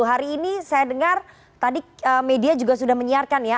hari ini saya dengar tadi media juga sudah menyiarkan ya